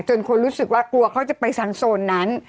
จนคนรู้ว่ากลัวเขาจะไปสั่งโซนนั้น